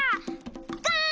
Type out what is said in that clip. ガーン！